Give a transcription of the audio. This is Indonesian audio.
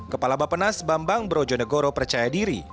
kepala bapenas bambang brojonegoro percaya diri